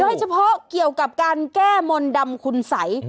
โดยเฉพาะเกี่ยวกับการแก้มนต์ดำคุณสัย